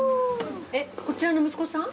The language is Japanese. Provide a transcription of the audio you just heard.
こちらの息子さん？